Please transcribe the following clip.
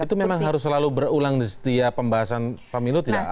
itu memang harus selalu berulang di setiap pembahasan pemilu tidak